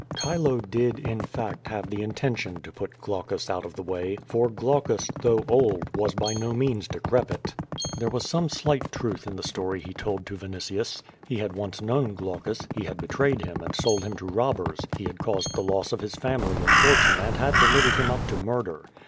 Chilo did, in fact, have the intention to put Olaueus out of the way, for Olaueus, though old, was by no means de crepit. There was some slight truth in the story he told to Vinitius. He had once known Olaueus; he had betrayed him and sold him to robbers, he had caused the loss of his family and fortune and had delivered him up to murder.